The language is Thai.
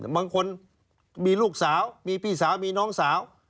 บางคนมีลูกสาวมีพี่สาวมีน้องสาว